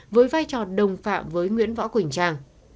với vai trò đồng phạm với nguyễn võ quỳnh trang